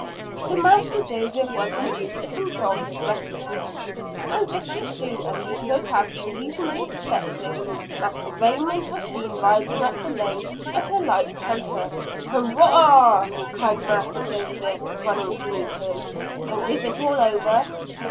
So Master Joseph was induced to control his restlessness and just as soon as he could have been reasonably expected, Master Raymond was seen riding up the lane at a light canter. "Hurrah!" cried Master Joseph, running to meet him. "And is it all over?"